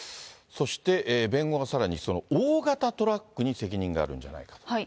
そして、弁護側はさらに大型トラックに責任があるんじゃないかと。